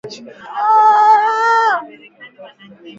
Uhakiki ulifanyika mwezi Machi